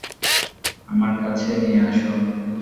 আমার কাছে নিয়ে আস।